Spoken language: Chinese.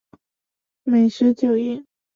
美食飨宴